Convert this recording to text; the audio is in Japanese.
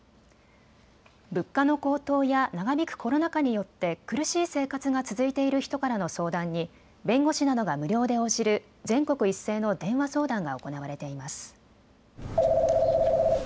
物価の高騰や長引くコロナ禍によって苦しい生活が続いている人からの相談に弁護士などが無料で応じる全国一斉の電話相談が行われています。